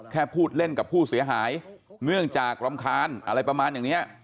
พูดเล่นกับผู้เสียหายเนื่องจากรำคาญอะไรประมาณอย่างนี้